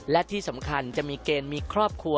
และที่สำคัญจะมีเกณฑ์มีครอบครัว